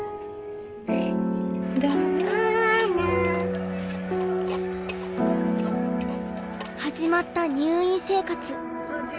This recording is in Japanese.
「ラララ」始まった入院生活。